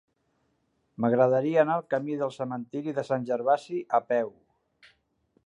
M'agradaria anar al camí del Cementiri de Sant Gervasi a peu.